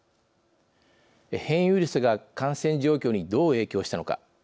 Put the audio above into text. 変異ウイルスが感染状況にどう影響したのか。